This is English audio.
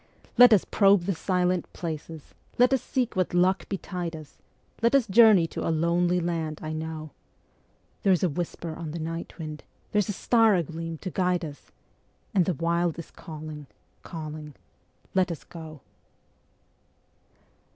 Let us probe the silent places, let us seek what luck betide us; Let us journey to a lonely land I know. There's a whisper on the night wind, there's a star agleam to guide us, And the Wild is calling, calling. . .let us go.